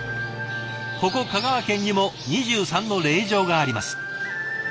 ここ香川県にも２３の霊場があります。